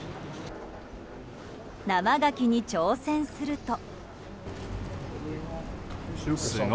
生ガキに挑戦すると。